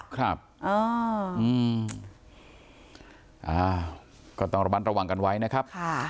ครับอ่าอืมอ่าก็ต้องระวังกันไว้นะครับค่ะ